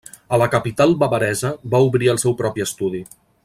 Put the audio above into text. A la capital bavaresa va obrir el seu propi estudi.